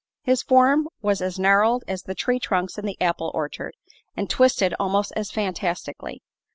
His form was as gnarled as the tree trunks in the apple orchard, and twisted almost as fantastically.